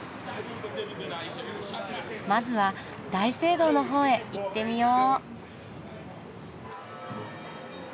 まずは大聖堂の方へ行ってみよう。